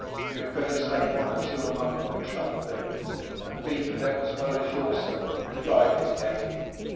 'You had better save one or two among them the trouble then and be for them as well as YOURself,' replied his nephew.